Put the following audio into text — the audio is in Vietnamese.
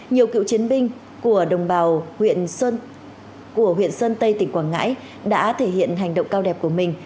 nhiều cựu chiến binh của đồng bào huyện của huyện sơn tây tỉnh quảng ngãi đã thể hiện hành động cao đẹp của mình